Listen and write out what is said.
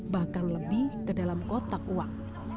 bahkan lebih ke dalam kotak uang